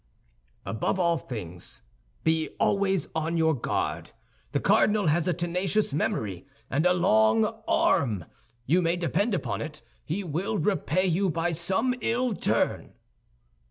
"Above all things be always on your guard. The cardinal has a tenacious memory and a long arm; you may depend upon it, he will repay you by some ill turn."